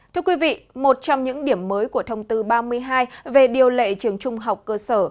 thưa quý vị một trong những điểm mới của thông tư ba mươi hai về điều lệ trường trung học cơ sở